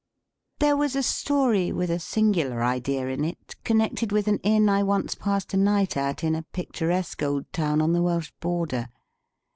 There was a story with a singular idea in it, connected with an Inn I once passed a night at in a picturesque old town on the Welsh border.